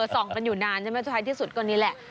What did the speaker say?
ส่องกันอยู่นานใช่ไหมสุดท้ายที่สุดก็นี่แหละ